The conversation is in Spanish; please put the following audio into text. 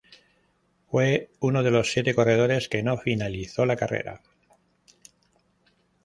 Fue uno de los siete corredores que no finalizó la carrera.